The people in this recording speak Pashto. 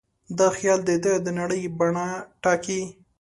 دا خیال د ده د نړۍ بڼه ټاکي.